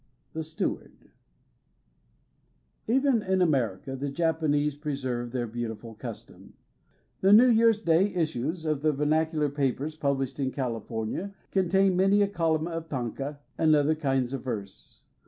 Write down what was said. The Steward Even in America the Japanese pre serve their beautiful custom. The New Year's Day issues of the ver nacular papers published in California contain many a column of tanka and other kinds of verse.